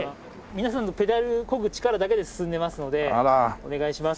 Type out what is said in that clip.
皆さんのペダル漕ぐ力だけで進んでいますのでお願いします